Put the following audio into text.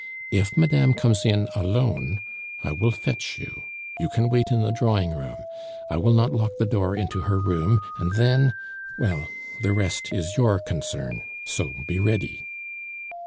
If madame comes in alone, I will fetch you; you can wait in the drawing room. I will not lock the door into her room, and then well, the rest is your concern so be ready."